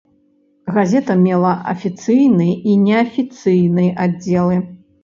Газета мела афіцыйны і неафіцыйны аддзелы.